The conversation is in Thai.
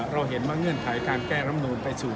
เราเห็นว่าเงื่อนไขการแก้รำนูนไปสู่